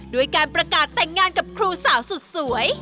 ด้วยการประกาศแต่งงานกับครูสาวสุดสวย